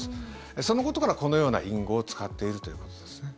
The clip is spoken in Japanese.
そのことから、このような隠語を使っているということですね。